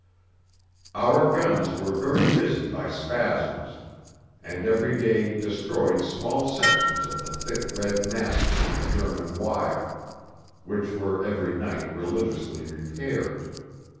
Our guns were very busy by spasms, and every day destroyed small sections of the thick red masses of the German wire, which were every night religiously repaired.